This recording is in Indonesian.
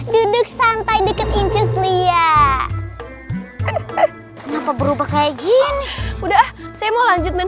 duduk santai dikit inchez lia kenapa berubah kayak gini udah saya mau lanjut main